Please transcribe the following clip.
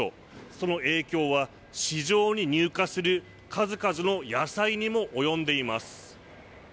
その影響は市場に入荷する数々の野菜にも及んでいます。